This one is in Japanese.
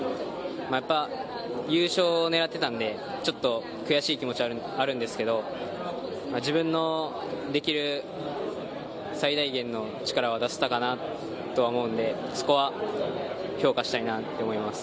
やっぱ、優勝を狙ってたんでちょっと悔しい気持ちはあるんですけど自分のできる最大限の力は出せたかなとは思うのでそこは評価したいなと思います。